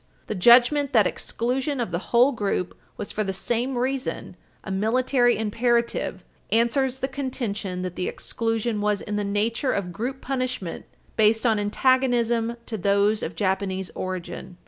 The judgment that exclusion of the whole group was, for the same reason, a military imperative answers the contention that the exclusion was in the nature of group punishment based on antagonism to those of Japanese origin.